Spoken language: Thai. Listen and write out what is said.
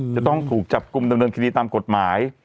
จะต้องถูกจับกลุ่มดำเนินคดีตามกฎหมาย